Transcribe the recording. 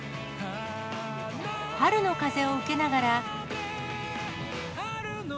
春の風を受けながら。